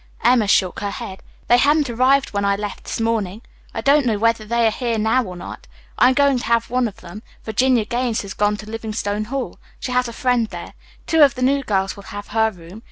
Emma shook her head. "They hadn't arrived when I left this morning. I don't know whether they are here now or not. I'm to have one of them. Virginia Gaines has gone to Livingstone Hall. She has a friend there. Two of the new girls will have her room.